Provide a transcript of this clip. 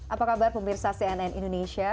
apa kabar pemirsa cnn indonesia